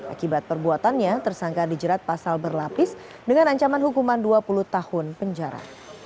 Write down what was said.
akibat perbuatannya tersangka dijerat pasal berlapis dengan ancaman hukuman dua puluh tahun penjara